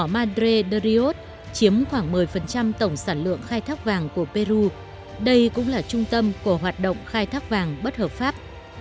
madre de rios chiếm khoảng một mươi tổng sản lượng khai thác vàng của peru đây cũng là trung tâm của hoạt động khai thác vàng bất hợp pháp